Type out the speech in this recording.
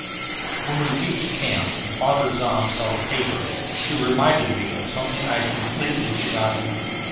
When we reached camp, and Father Zahm saw the tapir, he reminded me of something I had completely forgotten.